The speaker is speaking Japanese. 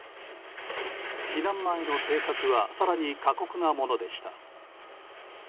避難前の生活は更に過酷なものでした。